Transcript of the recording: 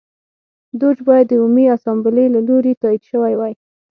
دوج باید د عمومي اسامبلې له لوري تایید شوی وای